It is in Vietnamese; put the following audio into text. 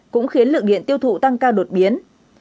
cũng khiến lượng điện tiêu thụ tăng cao đột biến